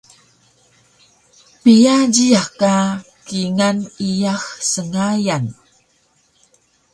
Piya jiyax ka kingal iyax sngayan?